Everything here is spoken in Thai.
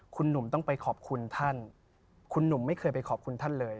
คุณหนุ่มต้องไปขอบคุณท่านคุณหนุ่มไม่เคยไปขอบคุณท่านเลย